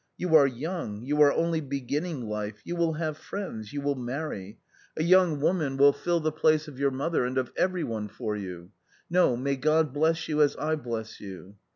You are young, you are only beginning life, you will have friends, you will marry — a young woman will f i6 A COMMON STORY fill the place of your mother and of every one for you. No, may God bless you as I bless you